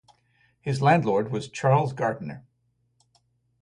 His landlord was Charles Gardiner.